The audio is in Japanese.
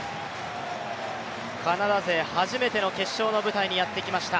カナダ勢初めての決勝の舞台にやってきました。